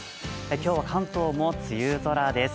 今日は関東も梅雨空です。